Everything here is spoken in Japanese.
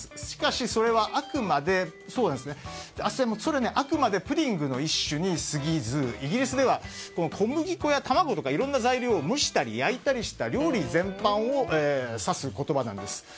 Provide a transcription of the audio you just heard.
しかし、それはあくまでプディングの一種にすぎずイギリスでは、小麦粉や卵などいろいろな材料を蒸したり焼いたりした料理全般を指す言葉なんです。